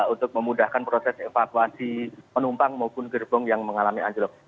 untuk memudahkan proses evakuasi penumpang maupun gerbong yang mengalami anjlok